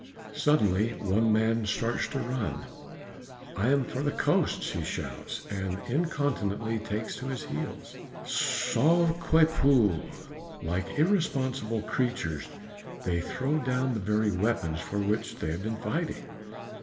Suddenly one man starts to run. "I am for the coast!" he shouts, and incontinently takes to his heels. "Sauve qui peut!" Like irresponsible creatures they throw down the very weapons for which they have been fighting.